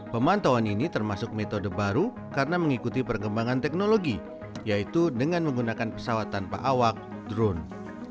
pemantauan ini termasuk metode baru karena mengikuti perkembangan teknologi yaitu dengan menggunakan pesawat tanpa awak drone